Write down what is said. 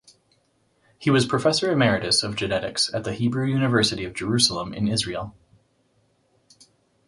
He was professor emeritus of genetics at the Hebrew University of Jerusalem in Israel.